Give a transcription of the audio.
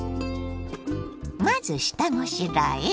まず下ごしらえ。